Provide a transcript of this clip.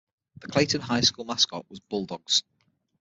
The Clayton High School mascot was Bulldogs.